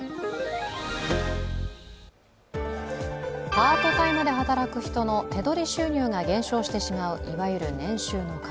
パートタイムで働く人の手取り収入が減少してしまう、いわゆる年収の壁。